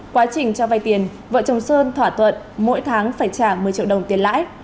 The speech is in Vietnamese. quá trình cho vay tiền vợ chồng sơn thỏa thuận mỗi tháng phải trả một mươi triệu đồng tiền lãi